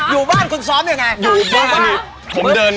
อยู่บ้านคุณซ้อมยังไง